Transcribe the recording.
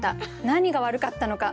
何が悪かったのか。